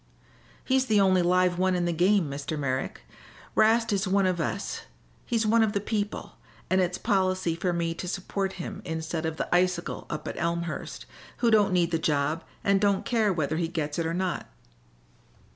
"He's the only live one in the game, Mr. Merrick. 'Rast is one of us he's one of the people and it's policy for me to support him instead of the icicle up at Elmhurst, who don't need the job and don't care whether he gets it or not."